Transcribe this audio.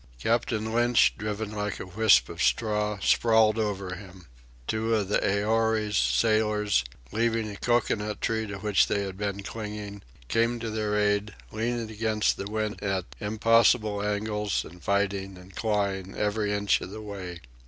Captain Lynch, driven like a wisp of straw, sprawled over him. Two of the Aorai's sailors, leaving a cocoanut tree to which they had been clinging, came to their aid, leaning against the wind at impossible angles and fighting and clawing every inch of the way.